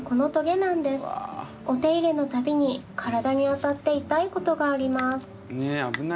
お手入れの度に体に当たって痛いことがあります。